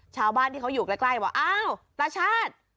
ชาวบ้านที่เขาอยู่ใกล้ว่าอ้าวตาชาติ